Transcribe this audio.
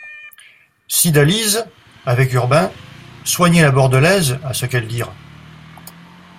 Cydalise, avec Urbain, soignait la Bordelaise, à ce qu'elles dirent.